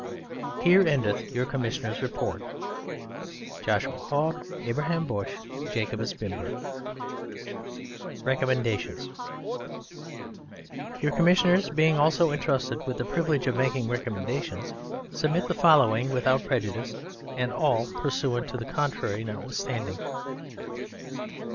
HERE ENDETH your Commissioners' Report. (Seal) JOSHUA HOGG. ABRAHAM BUSH. JACOBUS BIMBER. RECOMMENDATIONS Your Commissioners being also entrusted with the privilege of making Recommendations, submit the following without prejudice and all pursuants to the contrary notwithstanding.